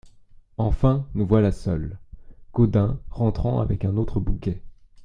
Enfin, nous voilà seuls !…" Gaudin , rentrant avec un autre bouquet.